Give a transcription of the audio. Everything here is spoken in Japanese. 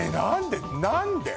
何で？